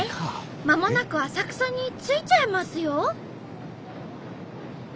まもなく浅草に着いちゃいますよ。